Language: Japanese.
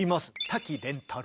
滝廉太郎。